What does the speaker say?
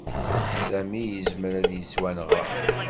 Sami yezmer ad yettwanɣa.